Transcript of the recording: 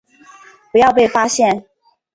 不要被发现